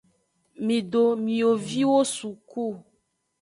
Mido mioviwo suku.